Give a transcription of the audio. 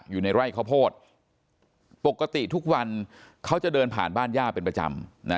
อยู่ในไร่ข้าวโพดปกติทุกวันเขาจะเดินผ่านบ้านย่าเป็นประจำนะ